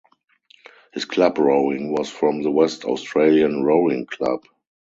His club rowing was from the West Australian Rowing Club.